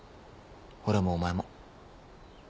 俺もお前も